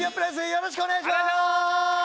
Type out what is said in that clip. よろしくお願いします！